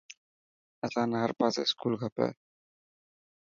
اسان نا هر پاسي اسڪول کپي.